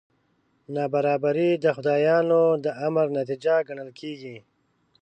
نابرابري د خدایانو د امر نتیجه ګڼل کېږي.